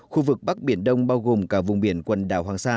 khu vực bắc biển đông bao gồm cả vùng biển quần đảo hoàng sa